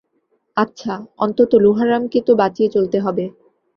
আচ্ছা, অন্তত লোহারামকে তো বাঁচিয়ে চলতে হবে।